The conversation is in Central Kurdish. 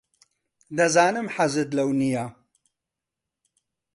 دەزانم حەزت لەو نییە.